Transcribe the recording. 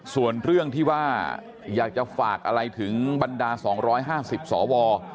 ส่วนเรื่องที่ว่าอยากจะฝากอะไรถึงบรรดา๒๕๐สว